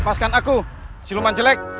lepaskan aku siluman jelek